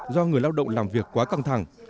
do người lao động làm việc quá căng thẳng